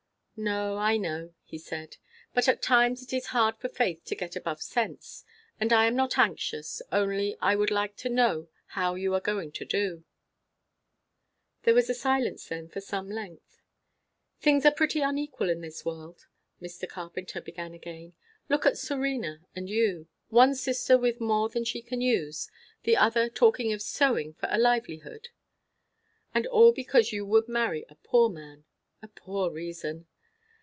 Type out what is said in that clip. "No, I know," he said. "But at times it is hard for faith to get above sense. And I am not anxious; only I would like to know how you are going to do." There was a silence then of some length. "Things are pretty unequal in this world," Mr. Carpenter began again. "Look at Serena and you. One sister with more than she can use; the other talking of sewing for a livelihood! And all because you would marry a poor man. A poor reason!"